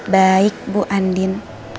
baik bu andin